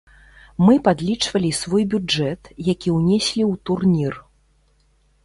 Мы падлічвалі свой бюджэт, які ўнеслі ў турнір.